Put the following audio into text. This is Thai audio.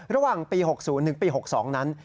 ระหว่างปี๑๙๖๐๑๙๖๒นั้น